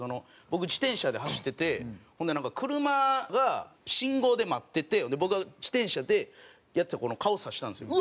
僕自転車で走っててほんで車が信号で待ってて僕が自転車で顔さしたんですよ